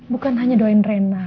bukan hanya doain reina